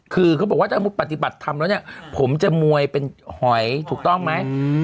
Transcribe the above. คือเขาบอกว่าถ้ามุติปฏิบัติธรรมแล้วเนี่ยผมจะมวยเป็นหอยถูกต้องไหม